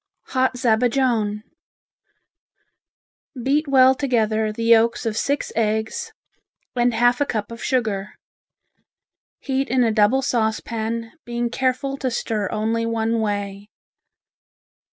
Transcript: Hot Zabajone Beat well together the yolks of six eggs, and half a cup of sugar. Heat in a double saucepan, being careful to stir only one way.